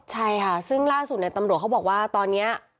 ใช่ค่ะซึ่งล่าสุดตำรวจเขาบอกว่าตอนนี้